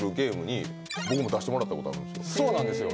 そうなんですよ。